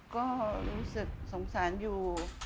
ก็รู้สึกสงสารอยู่